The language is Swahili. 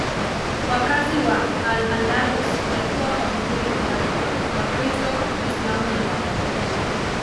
Wakazi wa Al-Andalus walikuwa wa vikundi vitatu: Wakristo, Waislamu na Wayahudi.